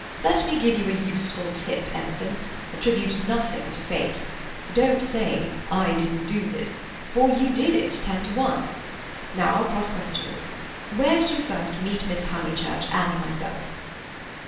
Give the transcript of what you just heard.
"Let me give you a useful tip, Emerson: attribute nothing to Fate. Don't say, 'I didn't do this,' for you did it, ten to one. Now I'll cross question you. Where did you first meet Miss Honeychurch and myself?"